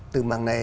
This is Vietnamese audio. từ mảng này